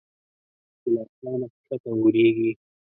چې له اسمانه کښته اوریږي